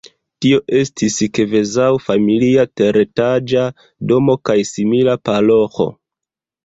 Tio estis kvazaŭ familia teretaĝa domo kaj simila paroĥo.